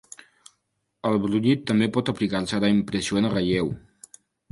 El brunyit també pot aplicar-se a la impressió en relleu.